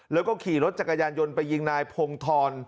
แล้วก็ขี่รถจักรยานยนต์ไปยิงนายพงธร